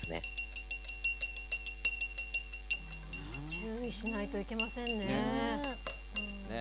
注意しないといけませんね。